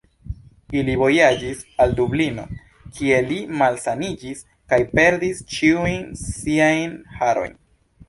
Li vojaĝis al Dublino, kie li malsaniĝis, kaj perdis ĉiujn siajn harojn.